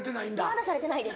まだされてないです。